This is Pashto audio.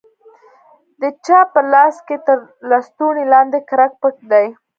د چا په لاس کښې تر لستوڼي لاندې کرک پټ دى.